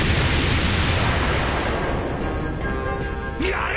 やれ！